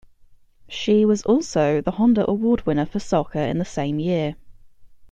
She was also the Honda Award winner for soccer the same year.